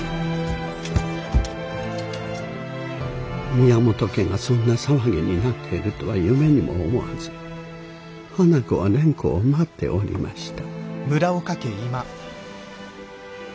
宮本家がそんな騒ぎになっているとは夢にも思わず花子は蓮子を待っておりました。